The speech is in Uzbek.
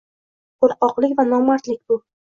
qo‘rqoqlik va nomardlik bu.